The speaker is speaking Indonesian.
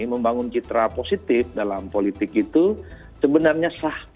membangun citra positif dalam politik itu sebenarnya sah